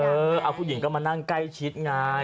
เออเอาผู้หญิงก็มานั่งใกล้ชิดไง